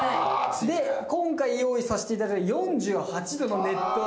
で今回用意させていただいた４８℃の熱湯風呂です。